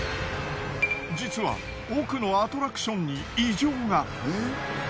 実は奥のアトラクションに異常が。